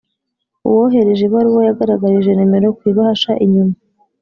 uwohereje ibaruwa yagaragarije nimero ku ibahasha inyuma.